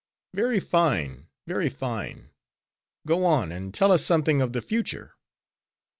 "Very fine: very fine.—Go on; and tell us something of the future."